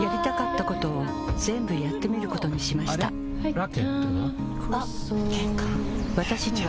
ラケットは？